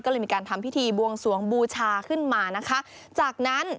ก็เลยมีการทำพิธีบวงสวงบูชาขึ้นมานะคะจากนั้น